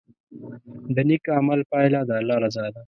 د نیک عمل پایله د الله رضا ده.